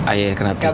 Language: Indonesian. ayahnya kena tipu